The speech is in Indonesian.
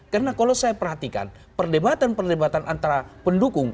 karena kalau saya perhatikan perdebatan perdebatan antara pendukung